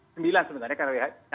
sembilan sebenarnya karena who